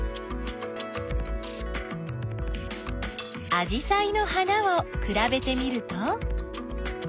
あじさいの花をくらべてみると？